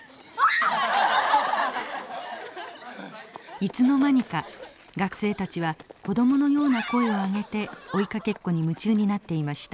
いつの間にか学生たちは子供のような声を上げて追いかけっこに夢中になっていました。